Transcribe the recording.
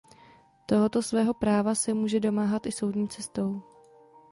Tohoto svého práva se může domáhat i soudní cestou.